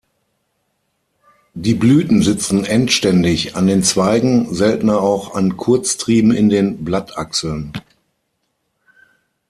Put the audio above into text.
Die Blüten sitzen endständig an den Zweigen, seltener auch an Kurztrieben in den Blattachseln.